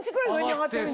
上がってさ。